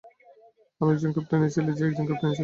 আমি একজন ক্যাপ্টেনের ছেলে, যে একজন ক্যাপ্টেনের ছেলে।